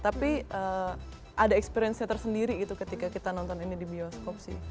tapi ada experience nya tersendiri gitu ketika kita nonton ini di bioskop sih